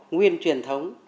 nguyên truyền thống